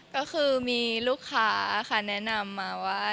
ก็คือมีลูกค้าค่ะแนะนำมาว่า